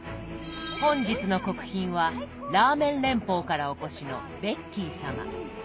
本日の国賓はラーメン連邦からお越しのベッキー様。